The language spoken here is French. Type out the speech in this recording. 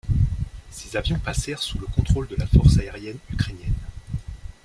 Ces avions passèrent sous le contrôle de la force aérienne ukrainienne.